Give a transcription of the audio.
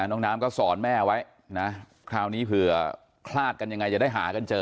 น้องน้ำก็สอนแม่ไว้นะคราวนี้เผื่อคลาดกันยังไงจะได้หากันเจอ